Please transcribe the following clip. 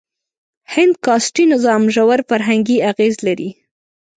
هند کاسټي نظام ژور فرهنګي اغېز لري.